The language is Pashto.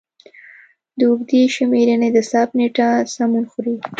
د اوږدې شمېرنې د ثبت نېټه سمون خوري.